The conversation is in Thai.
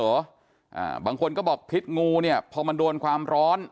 อ่าบางคนก็บอกพิษงูเนี่ยพอมันโดนความร้อน